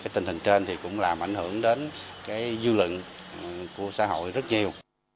tình hình trên thì cũng làm ảnh hưởng đến dư luận của xã hội rất nhiều